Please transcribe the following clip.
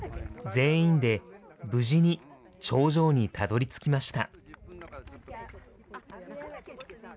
全員で無事に頂上にたどりつきました。